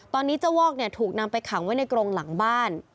ตอนนี้เจ้าวอกถูกนำไปขังไว้ในกรงหลังบ้าน